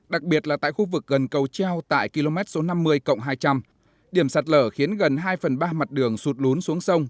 đặc biệt là tại khu vực gần cầu treo tại km số năm mươi hai trăm linh điểm sạt lở khiến gần hai phần ba mặt đường sụt lún xuống sông